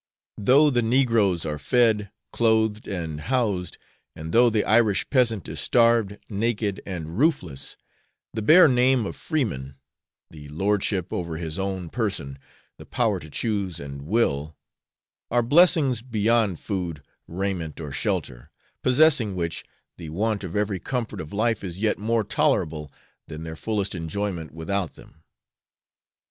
Though the negroes are fed, clothed, and housed, and though the Irish peasant is starved, naked, and roofless, the bare name of freeman the lordship over his own person, the power to choose and will are blessings beyond food, raiment, or shelter; possessing which, the want of every comfort of life is yet more tolerable than their fullest enjoyment without them.